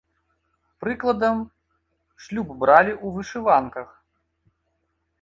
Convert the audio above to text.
Прыкладам, шлюб бралі ў вышыванках.